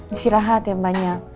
istirahat ya mbak nyam